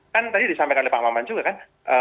kan tadi disampaikan oleh pak maman juga kan